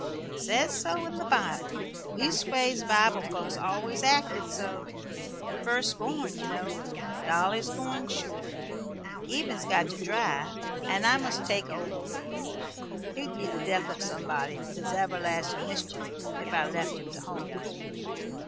"Says so in the Bible. Leastways, Bible folks always acted so. The first born, ye know. Dolly's goin', sure. Eben's got to drive, and I must take Obed. He'd be the death of somebody, with his everlastin' mischief, if I left him to home.